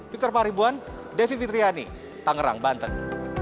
victor paribuan david vitriani tangerang banten